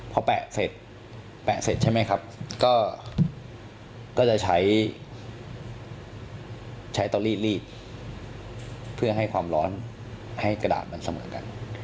พอแปะเสร็จแปะเสร็จใช่ไหมครับก็จะใช้ใช้เตาลีดเพื่อให้ความร้อนให้กระดาษมันเสมอกัน